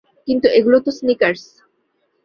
কিন্তু এগুলো তো স্নিকার্স।